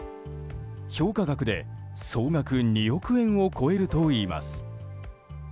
評価額で総額２億円を超えるといいます。